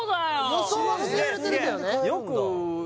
予想は外れてるけどね